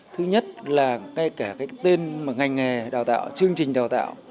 thứ nhất là ngay cả cái tên ngành nghề đào tạo chương trình đào tạo